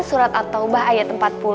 surat at taubah ayat empat puluh